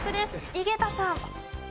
井桁さん。